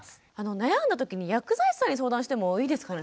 悩んだ時に薬剤師さんに相談してもいいですかね詫間さん。